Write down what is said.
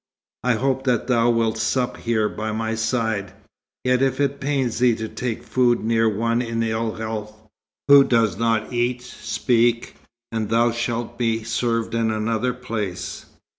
I hope that thou wilt sup here by my side: yet if it pains thee to take food near one in ill health, who does not eat, speak, and thou shalt be served in another place."